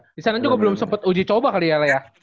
di sana juga belum sempat uji coba kali ya la ya